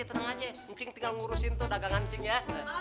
ya encing tinggal ngurusin tuh dagangan cing ya